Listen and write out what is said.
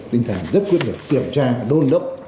tinh thần rất quyết định kiểm tra đôn đốc